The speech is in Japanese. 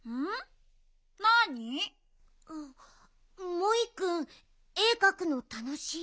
モイくんえかくのたのしい？